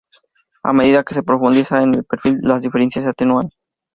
A medida que se profundiza en el perfil las diferencias se atenúan.